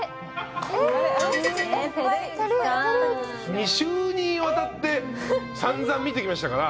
２週にわたってさんざん見てきましたから。